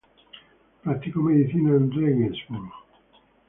Practicó medicina en Regensburg.